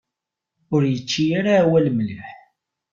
Ur yečči ara awal mliḥ.